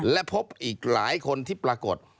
และพบอีกหลายคนที่ปรากฏ